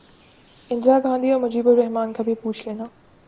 اندرا گاندھی اور مجیب الر حمن کا بھی پوچھ لینا